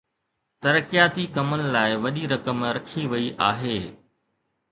ترقياتي ڪمن لاءِ وڏي رقم رکي وئي آهي.